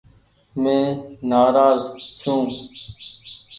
مين نآراز ڇون ۔